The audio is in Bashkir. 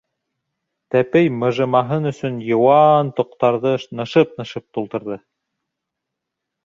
Тәпей мыжымаһын өсөн йыуан тоҡтарҙы нышып-нышып тултырҙы.